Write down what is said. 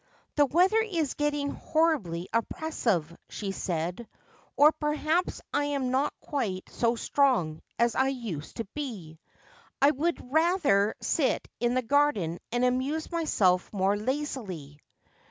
' The weather is getting horribly oppressive,' she said, ' or perhaps I am not quite so strong as 1 used to be. I would rather sit in the garden and amuse myself more lazily.'